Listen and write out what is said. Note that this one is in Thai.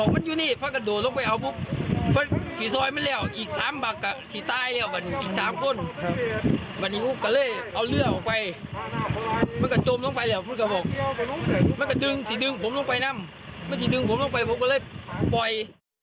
มันก็ดึงสิดึงผมต้องไปนำมันสิดึงผมต้องไปผมก็เลยปล่อย